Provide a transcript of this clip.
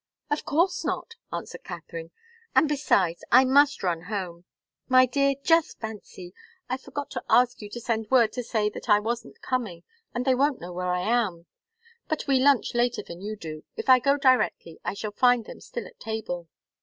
"Of course not!" answered Katharine. "And besides, I must run home. My dear, just fancy! I forgot to ask you to send word to say that I wasn't coming, and they won't know where I am. But we lunch later than you do if I go directly, I shall find them still at table."